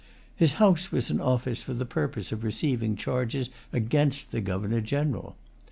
His house was an office for the purpose of receiving charges against the Governor General.